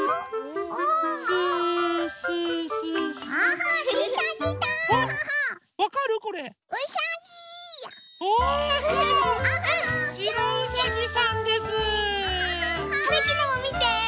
はるきのもみて！